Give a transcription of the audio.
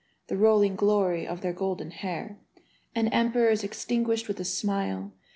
The rolling glory of their golden hair, And emperors extinguished with a smile.